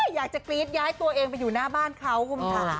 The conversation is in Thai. อยากจะกรี๊ดย้ายตัวเองไปอยู่หน้าบ้านเขาคุณผู้ชมค่ะ